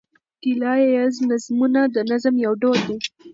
ګيله ييز نظمونه د نظم یو ډول دﺉ.